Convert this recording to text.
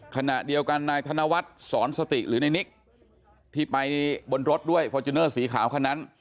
ขณะเดียวกันทรนวรรษศรศรติหรือนายนิกที่ไปบนรถด้วยฟอร์ชูเนอลสีขาวค่ะนั้น